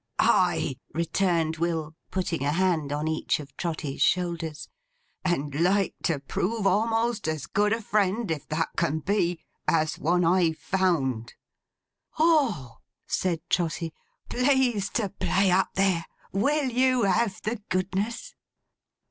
'Ay!' returned Will, putting a hand on each of Trotty's shoulders. 'And like to prove a'most as good a friend, if that can be, as one I found.' 'O!' said Trotty. 'Please to play up there. Will you have the goodness!